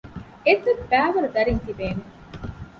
އެތައްބައިވަރު ދަރީން ތިބޭނެ